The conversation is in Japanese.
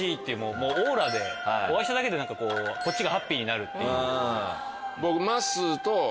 もうオーラでお会いしただけでなんかこうこっちがハッピーになるっていう。